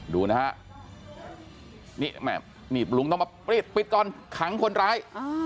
ดูนะฮะนี่ลุงต้องมาปิดปิดก่อนขังคนร้าย